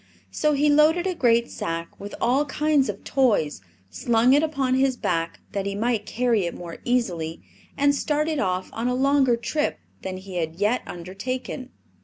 So he loaded a great sack with all kinds of toys, slung it upon his back that he might carry it more easily, and started off on a longer trip than he had yet undertaken.